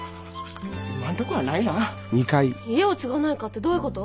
家を継がないかってどういうこと？